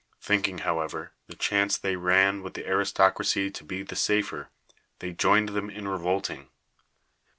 Thinking, however, the chance they ran with the aristocracy to be the safer, they joined them in revolting.